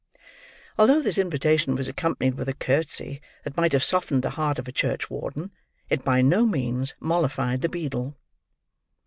Although this invitation was accompanied with a curtsey that might have softened the heart of a church warden, it by no means mollified the beadle.